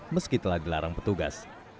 meskipun telah dilarang petugas